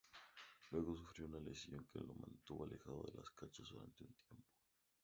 Luego sufrió una lesión que lo mantuvo alejado de las canchas durante un tiempo.